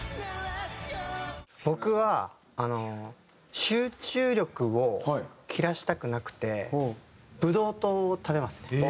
僕は集中力を切らしたくなくてブドウ糖を食べますね。